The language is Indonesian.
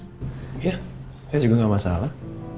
iya saya juga gak masalah